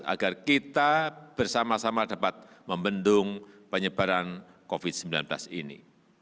agar kita bersama sama dapat membendung penyebaran covid sembilan belas ini